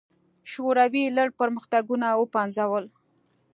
شوروي لړ پرمختګونه وپنځول.